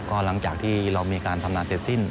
ก็หลังจากที่เรามีการทำงานเสร็จสิ้น